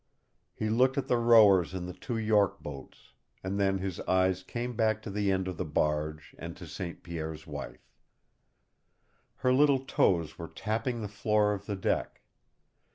He looked at the rowers in the two York boats, and then his eyes came back to the end of the barge and to St. Pierre's wife. Her little toes were tapping the floor of the deck.